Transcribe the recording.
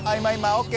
ＯＫ！